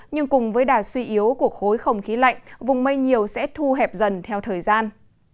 nhưng cùng với đà suy yếu của khối không khí lạnh vùng mây nhiều sẽ thu hẹp dần theo thời gian